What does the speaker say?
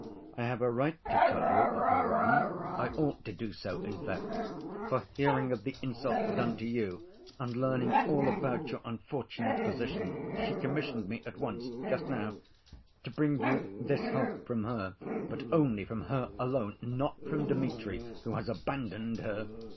I have a right to tell you of her wrong; I ought to do so, in fact, for hearing of the insult done to you and learning all about your unfortunate position, she commissioned me at once—just now—to bring you this help from her—but only from her alone, not from Dmitri, who has abandoned her.